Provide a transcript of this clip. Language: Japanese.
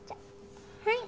はい。